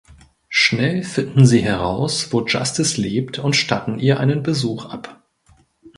Schnell finden sie heraus wo Justice lebt und statten ihr einen Besuch ab.